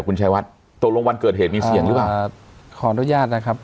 คุณชายวัดตกลงวันเกิดเหตุมีเสียงหรือเปล่าครับขออนุญาตนะครับ